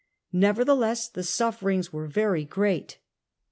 Nevertheless the sufferings were very great.